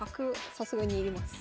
さすがに要ります。